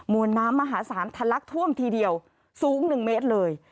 วนน้ำมหาศาลทะลักท่วมทีเดียวสูง๑เมตรเลย